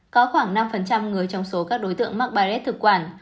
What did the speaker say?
có khoảng năm người trong số các đối tượng mắc ba rết thực quản